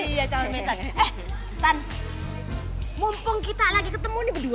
iya calon mesan eh tan mumpung kita lagi ketemu nih berdua